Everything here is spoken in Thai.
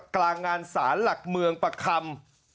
กลางงานศาลหลักเมืองประคำ